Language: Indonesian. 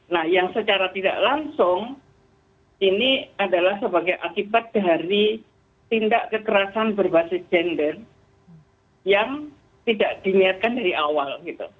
nah yang secara tidak langsung ini adalah sebagai akibat dari tindak kekerasan berbasis gender yang tidak diniatkan dari awal gitu